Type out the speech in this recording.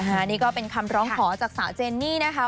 อันนี้ก็เป็นคำร้องขอจากสาวเจนนี่นะคะ